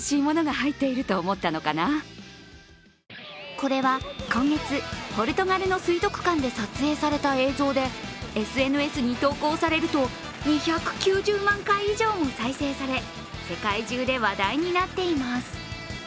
これは今月、ポルトガルの水族館で撮影された映像でＳＮＳに投稿されると、２９０万回以上も再生され、世界中で話題になっています。